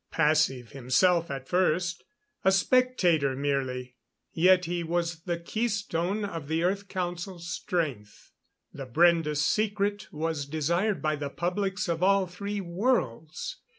Passive himself at first a spectator merely; yet he was the keystone of the Earth Council's strength. The Brende secret was desired by the publics of all three worlds.